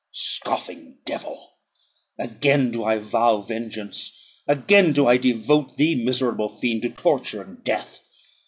Scoffing devil! Again do I vow vengeance; again do I devote thee, miserable fiend, to torture and death.